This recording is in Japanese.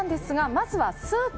まずはスープ